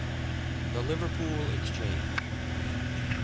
THE LIVERPOOL EXCHANGE.